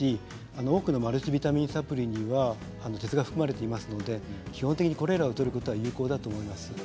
多くのマルチビタミンサプリには鉄が含まれていますので基本的にこれらをとることは有効だと思います。